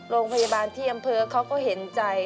โรงพยาบาลที่อำเภอเขาก็เห็นใจ